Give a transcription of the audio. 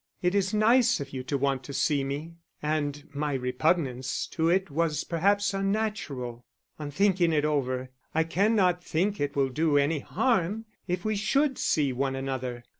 It is nice of you to want to see me, and my repugnance to it was perhaps unnatural. On thinking it over, I cannot think it will do any harm if we should see one another.